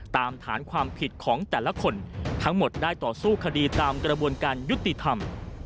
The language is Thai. ฐานความผิดของแต่ละคนทั้งหมดได้ต่อสู้คดีตามกระบวนการยุติธรรม